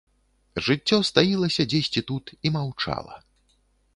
Жыццё стаілася дзесьці тут і маўчала.